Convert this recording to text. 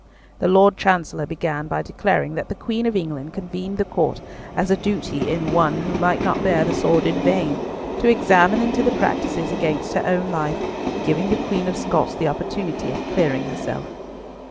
The Lord Chancellor began by declaring that the Queen of England convened the Court as a duty in one who might not bear the sword in vain, to examine into the practices against her own life, giving the Queen of Scots the opportunity of clearing herself.